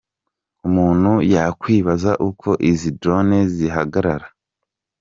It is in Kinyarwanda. Umuntu yakwibaza uko izi drone zihagarara:.